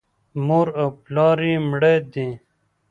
مور او پلار یې مړه دي .